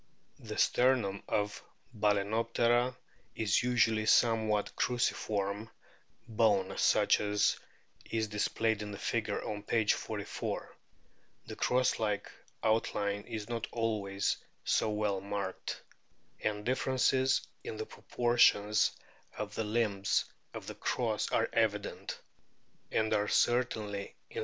The sternum of Bal&noptera is usually a somewhat cruciform bone such as is displayed in the figure on p. 44. The cross like outline is not always so well marked, and differences in the proportions of the limbs of the cross are evident, and are certainly in *" Histoire du Balcenoptcra muscuhis?